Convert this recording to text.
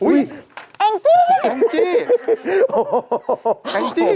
อุ๊ยแองจี้แองจี้